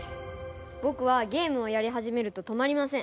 僕はゲームをやり始めると止まりません。